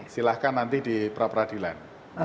silahkan nanti di peradilan